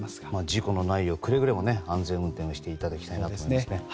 事故のないようくれぐれも安全運転をしていただきたいですね。